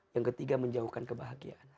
yang ketiga menjauhkan kebahagiaan